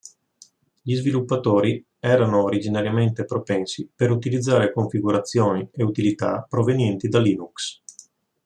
Gli sviluppatori erano originariamente propensi per utilizzare configurazioni e utilità provenienti da Linux.